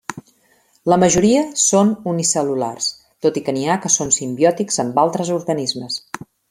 La majoria són unicel·lulars, tot i que n'hi ha que són simbiòtics amb altres organismes.